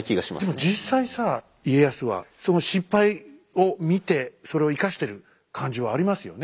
でも実際さ家康は失敗を見てそれを生かしてる感じはありますよね。